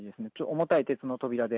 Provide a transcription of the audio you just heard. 重たい鉄の扉で。